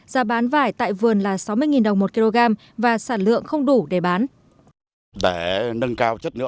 giá bán vải tại vườn là sáu mươi đồng một kg và sản lượng không đủ để bán